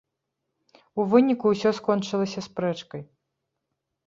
У выніку ўсё скончылася спрэчкай.